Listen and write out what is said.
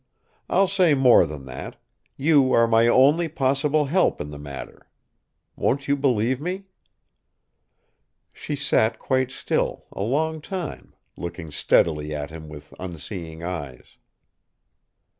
I'll say more than that: you are my only possible help in the matter. Won't you believe me?" She sat quite still, a long time, looking steadily at him with unseeing eyes.